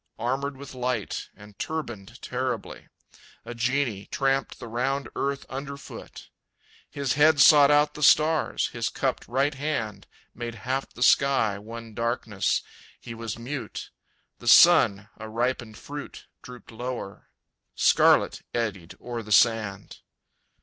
Armored with light, and turbaned terribly, A genie tramped the round earth underfoot; His head sought out the stars, his cupped right hand Made half the sky one darkness. He was mute. The sun, a ripened fruit, Drooped lower. Scarlet eddied o'er the sand.